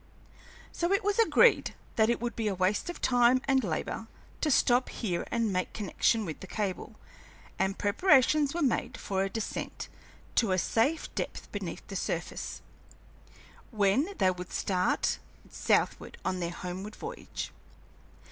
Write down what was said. So it was agreed that it would be a waste of time and labor to stop here and make connection with the cable, and preparations were made for a descent to a safe depth beneath the surface, when they would start southward on their homeward voyage.